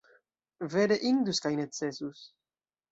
Vere indus kaj necesus!